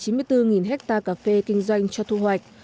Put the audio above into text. tỉnh đắk lắc có gần hai trăm linh hectare cà phê kinh doanh cho thu hoạch